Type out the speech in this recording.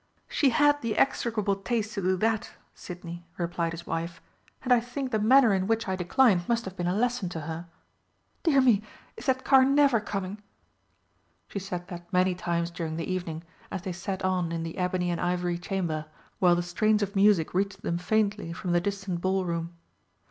"She had the execrable taste to do that, Sidney," replied his wife, "and I think the manner in which I declined must have been a lesson to her.... Dear me, is that car never coming?" She said that many times during the evening, as they sat on in the ebony and ivory chamber, while the strains of music reached them faintly from the distant Ballroom.